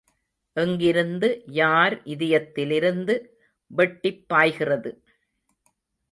எங்கிருந்து, யார் இதயத்திலிருந்து வெட்டிப் பாய்கிறது...?